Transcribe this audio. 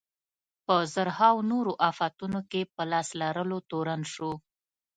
په زرهاوو نورو افتونو کې په لاس لرلو تورن شو.